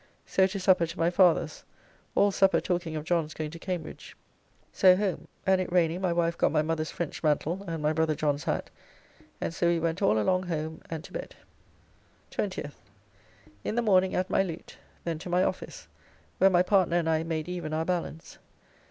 So to supper to my Father's, all supper talking of John's going to Cambridge. So home, and it raining my wife got my mother's French mantle and my brother John's hat, and so we went all along home and to bed. 20th. In the morning at my lute. Then to my office, where my partner and I made even our balance.